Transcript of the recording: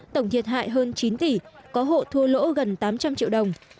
tổng thiệt hại hơn chín tỷ có hộ thua lỗ gần tám trăm linh triệu đồng